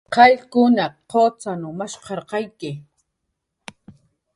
Qayllkunaq qucxanw mashqirqayawi